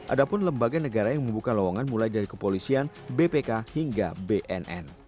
ada pun lembaga negara yang membuka lowongan mulai dari kepolisian bpk hingga bnn